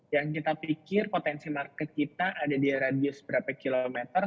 yang kita pikir potensi market kita ada di radius berapa kilometer